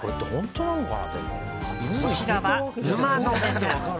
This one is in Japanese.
こちらは馬の目線。